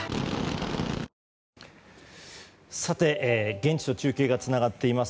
現地と中継がつながっています。